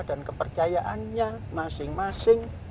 dan kepercayaannya masing masing